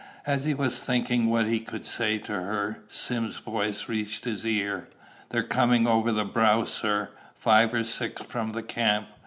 As he was thinking what he could say to her, Sim's voice reached his ear. "They're coming over the brow, sir, five or six from the camp.